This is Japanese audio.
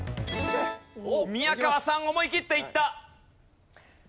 宮川さん思い切っていった。